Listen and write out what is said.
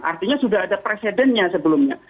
artinya sudah ada presidennya sebelumnya